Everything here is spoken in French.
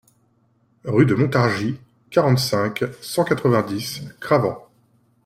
Rue de Montargis, quarante-cinq, cent quatre-vingt-dix Cravant